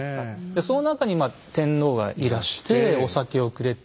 でその中に天皇がいらしてお酒をくれて。